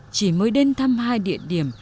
chỉ mới đến thăm hai địa điểm